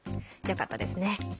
よかったですね。